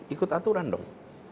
ikut aturan dong